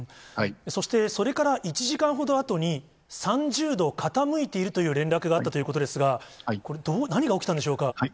そして、それから１時間ほどあとに、３０度傾いているという連絡があったということですが、これ、何が起きたんでしょうか。